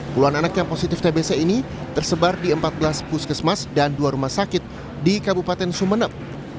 puluhan anak yang positif tbc ini tersebar di empat belas puskesmas dan dua rumah sakit di kabupaten sumeneb